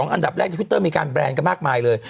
อันดับแรกที่พี่เตอร์มีการแบรนด์กันมากมายเลย